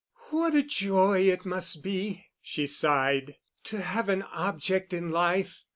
"What a joy it must be," she sighed, "to have an object in life.